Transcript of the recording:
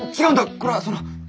これはその。